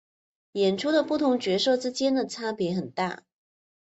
演出的不同角色之间的差别很大。